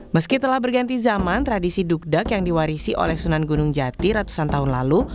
meski telah berganti zaman tradisi dukdak yang diwarisi oleh sunan gunung jati ratusan tahun lalu